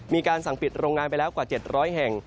มีการสั่งปิดโรงงานไปแล้วกว่า๗๐๐แห่ง